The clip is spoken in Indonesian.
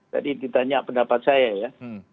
tadi ditanya pendapat saya ya